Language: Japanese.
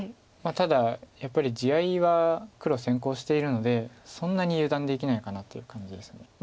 ただやっぱり地合いは黒先行しているのでそんなに油断できないかなっていう感じです。